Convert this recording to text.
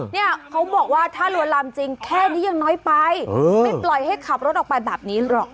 เนี่ยเขาบอกว่าถ้าลวนลามจริงแค่นี้ยังน้อยไปไม่ปล่อยให้ขับรถออกไปแบบนี้หรอก